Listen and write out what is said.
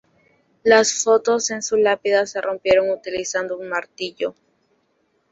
Las fotos en su lápida se rompieron utilizando un martillo.